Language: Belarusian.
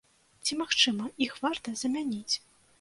Ці, магчыма, іх варта замяніць?